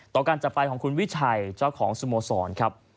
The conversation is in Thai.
การจับไปของคุณวิชัยเจ้าของสโมสรครับ